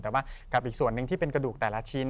แต่ว่ากับอีกส่วนหนึ่งที่เป็นกระดูกแต่ละชิ้น